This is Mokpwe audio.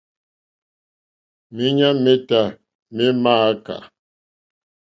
Méɲá métâ mé !mááká.